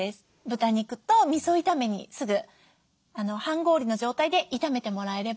豚肉とみそ炒めにすぐ半氷の状態で炒めてもらえれば。